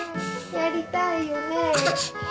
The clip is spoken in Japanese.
やりたいよねえ。